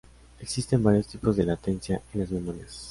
Existen varios tipos de latencia en las memorias.